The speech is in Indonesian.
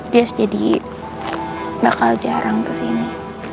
terus jadi bakal jarang ke sini